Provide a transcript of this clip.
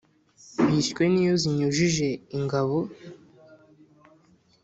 bishywe n’iyo zinyujije ingabo